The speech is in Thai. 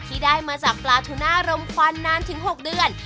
ที่ได้มาจากปลาทูน่ารมควันนานถึง๖เดือน